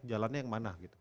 jalannya yang mana gitu